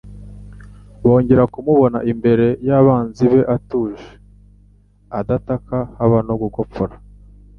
Bongera kumubona imbere y'abanzi be atuje, adataka haba no gukopfora,